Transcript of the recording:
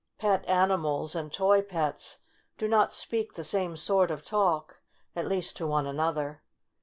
Pet animals and toy pets do not speak the same sort of talk, at least to one another.